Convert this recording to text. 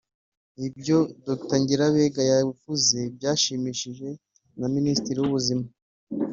Ibyo Dr Ngirabega yavuze byashimangiwe na Minisitiri w’Ubuzima